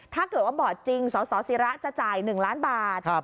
ถ้าเกิดว่าบอร์ดจริงสสิระจะจ่าย๑ล้านบาท